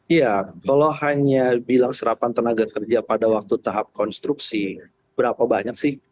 iya kalau hanya bilang serapan tenaga kerja pada waktu tahap konstruksi berapa banyak sih